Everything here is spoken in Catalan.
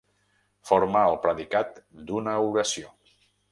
Forma el predicat d'una oració.